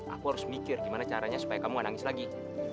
aku harus mikir gimana caranya supaya kamu mau nangis lagi